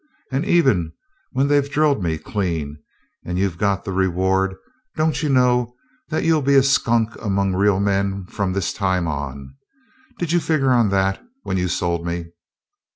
And even when they've drilled me clean, and you've got the reward, don't you know that you'll be a skunk among real men from this time on? Did you figure on that when you sold me?"